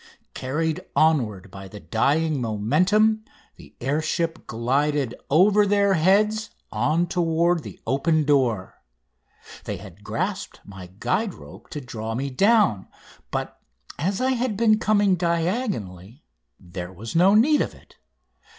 Carried onward by the dying momentum, the air ship glided over their heads on toward the open door. They had grasped my guide rope to draw me down, but as I had been coming diagonally there was no need of it.